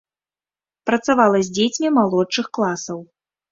Працавала з дзецьмі малодшых класаў.